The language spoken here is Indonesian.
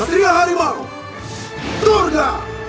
setia harimau turga